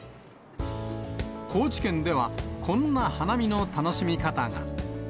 高知県では、こんな花見の楽しみ方が。